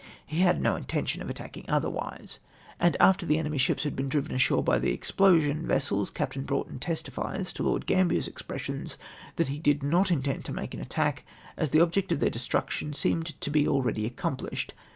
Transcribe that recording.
"' He had no intention of attacking otherwise. And after the enemy's ships had been driven ashore by the explosion vessels, Captain Broughton testifies to Lord Gambier's expressions that he did not intend to make any attack, as the object of their destruction seemed to lie already accompHshed.